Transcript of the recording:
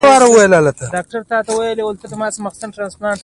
لازمه ده چې له منفي فکرونو لاس واخلئ